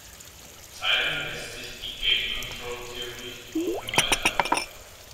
Zeigen lässt sich die Gate-Control-Theorie auch im Alltag.